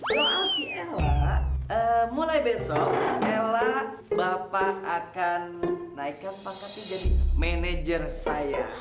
soal si ella mulai besok ella bapak akan naikkan paketnya jadi manajer saya